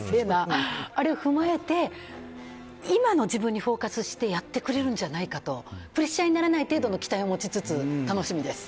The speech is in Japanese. あれを踏まえて今の自分にフォーカスしてやってくれるんじゃないかとプレッシャーにならない程度の期待を持ちつつ楽しみです。